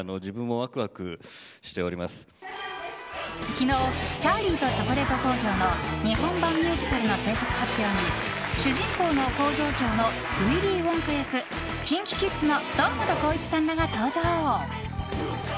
昨日、「チャーリーとチョコレート工場」の日本版ミュージカルの制作発表に主人公の工場長のウィリー・ウォンカ役ＫｉｎＫｉＫｉｄｓの堂本光一さんらが登場。